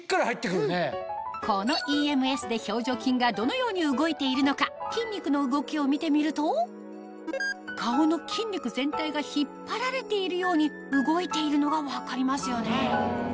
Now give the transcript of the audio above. このＥＭＳで表情筋がどのように動いているのか筋肉の動きを見てみると顔の筋肉全体が引っ張られているように動いているのが分かりますよね